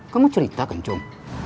kamu cerita kan cum